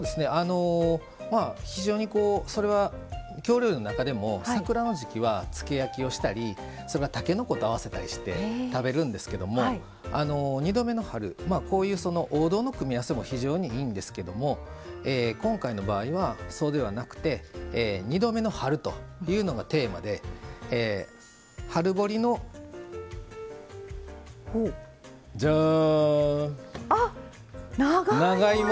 非常に、それは京料理の中でも桜の時季は、つけ焼きをしたりたけのこと合わせたりして食べるんですけれども２度目の春、王道の組み合わせも非常にいいんですけれども今回の場合はそうではなくて２度目の春というのがテーマで春掘りのジャーン！